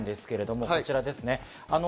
こちらです。